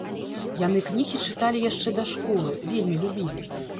Яны кнігі чыталі яшчэ да школы, вельмі любілі.